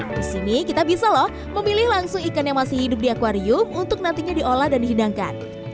di sini kita bisa loh memilih langsung ikan yang masih hidup di akwarium untuk nantinya diolah dan dihidangkan